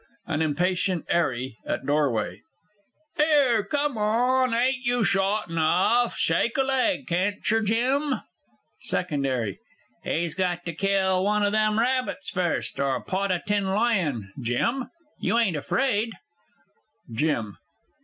AN IMPATIENT 'ARRY (at doorway). 'Ere, come on! Ain't you shot enough? Shake a leg, can't yer, Jim? SECOND 'ARRY. He's got to kill one o' them rabbits fust. Or pot a tin lion, Jim? You ain't afraid? JIM.